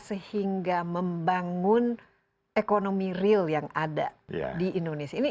sehingga membangun ekonomi real yang ada di indonesia